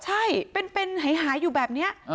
ใช่เป็นหายอยู่แบบนี้